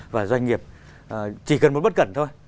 và doanh nghiệp chỉ cần một bất cẩn thôi